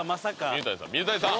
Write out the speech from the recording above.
水谷さん水谷さん！